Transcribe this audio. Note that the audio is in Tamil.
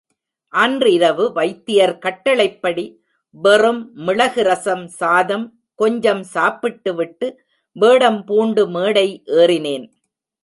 அன்றிரவு வைத்தியர் கட்டளைப்படி வெறும் மிளகு ரசம் சாதம் கொஞ்சம் சாப்பிட்டுவிட்டு, வேடம் பூண்டு மேடை ஏறினேன்.